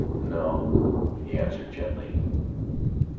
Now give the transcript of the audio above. "No," he answered gently.